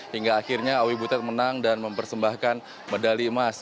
hingga akhirnya owi butet menang dan mempersembahkan medali emas